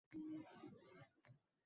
Yomon bo‘l deganingiz yo‘q-ku…